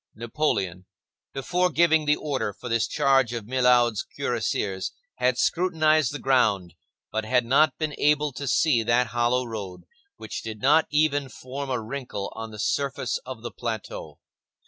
Napoleon, before giving the order for this charge of Milhaud's cuirassiers, had scrutinized the ground, but had not been able to see that hollow road, which did not even form a wrinkle on the surface of the plateau.